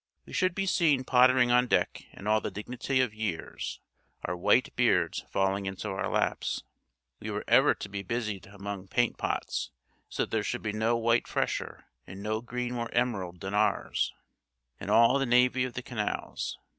We should be seen pottering on deck in all the dignity of years, our white beards falling into our laps. We were ever to be busied among paint pots; so that there should be no white fresher, and no green more emerald than ours, in all the navy of the canals.